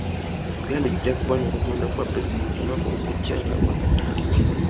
Uganda ejja kuba n'okulonda kwa pulezidenti omwaka ogujja nga gwakatandika.